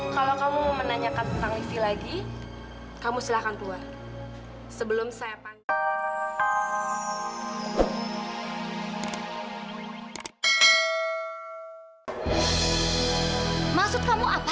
sampai jumpa di video selanjutnya